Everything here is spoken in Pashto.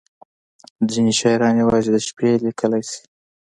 • ځینې شاعران یوازې د شپې لیکلی شي.